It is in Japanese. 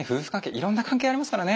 いろんな関係ありますからね。